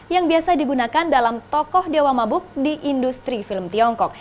yang biasa digunakan dalam tokoh dewa mabuk di industri film tiongkok